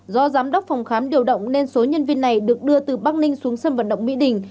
do giám đốc phòng khám điều động nên số nhân viên này được đưa từ bắc ninh xuống sân vận động mỹ đình